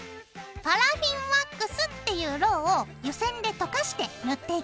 パラフィンワックスっていうロウを湯煎で溶かして塗っていくよ。